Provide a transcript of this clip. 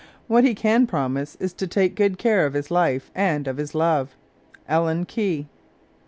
What he can promise is to take good care of his life and of his love. — Ellen Key.